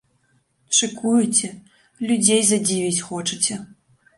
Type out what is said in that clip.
Шыкуеце, людзей задзівіць хочаце.